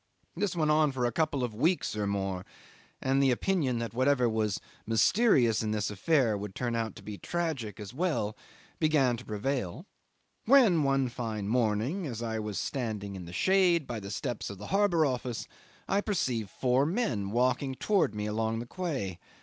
This went on for a couple of weeks or more, and the opinion that whatever was mysterious in this affair would turn out to be tragic as well, began to prevail, when one fine morning, as I was standing in the shade by the steps of the harbour office, I perceived four men walking towards me along the quay.